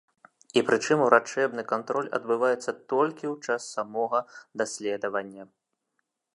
І прычым урачэбны кантроль адбываецца толькі ў час самога даследавання.